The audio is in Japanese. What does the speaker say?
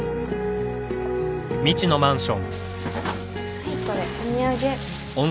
はいこれお土産。